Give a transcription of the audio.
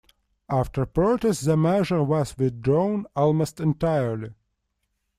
After protests the measure was withdrawn almost entirely.